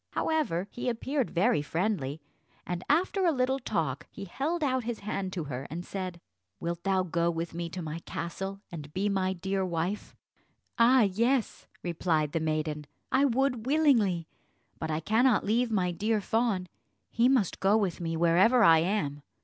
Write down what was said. However, he appeared very friendly, and after a little talk he held out his hand to her, and said, "Wilt thou go with me to my castle and be my dear wife?" "Ah yes," replied the maiden, "I would willingly; but I cannot leave my dear fawn: he must go with me wherever I am."